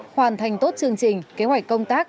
hoàn thành tốt chương trình kế hoạch công tác